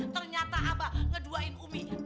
ternyata abah ngeduain umi